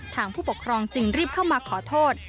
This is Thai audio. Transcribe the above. ผู้ปกครองจึงรีบเข้ามาขอโทษ